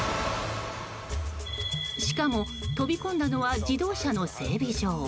しかも飛び込んだのは自動車の整備場。